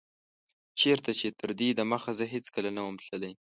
چيرته چي تر دي دمخه زه هيڅکله نه وم تللی